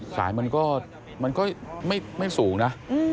สายมันก็ไม่สูงนะ